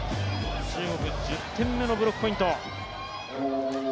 中国１０点目のブロックポイント。